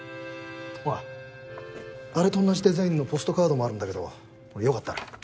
ああれと同じデザインのポストカードもあるんだけどこれよかったら。